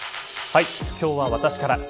今日は私から。